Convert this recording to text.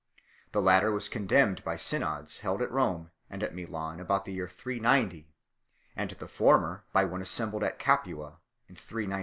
The latter was condemned by synods held at Rome and at Milan about the year 390, and the former by one assembled at Capua in 39 2 8 .